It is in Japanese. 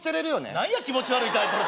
何や気持ち悪いタイトル